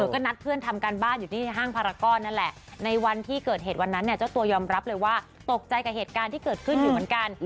ก็นัดเพื่อนทำการบ้านอยู่ที่ห้างพารากรนั่นแหละในวันที่เกิดเหตุวันนั้นเนี่ยเจ้าตัวยอมรับเลยว่าตกใจกับเหตุการณ์ที่เกิดขึ้นอยู่เหมือนกัน